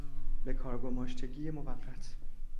بهکار گماشتگی موقت